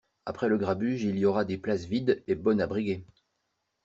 Après le grabuge, il y aura des places vides et bonnes à briguer.